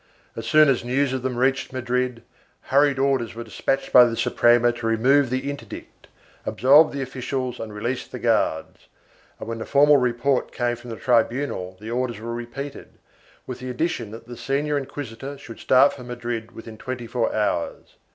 As soon as news of them reached Madrid, hurried orders were despatched by the Suprema to remove the interdict, absolve the officials and release the guards, and when the formal report came from the tribunal the orders were repeated, with the addition that the senior inquisitor should start for Madrid within twenty four hours.